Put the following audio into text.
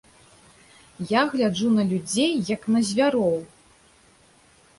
Я гляджу на людзей, як на звяроў.